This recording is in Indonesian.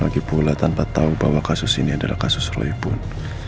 lagi pula tanpa tahu bahwa kasus ini adalah kasus lebon